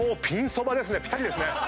ピンそばですね。